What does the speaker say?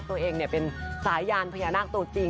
ตัวเองเนี่ยเป็นสายยานพญานาคต่อจริง